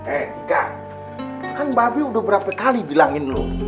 eh tika kan mba be udah berapa kali bilangin lu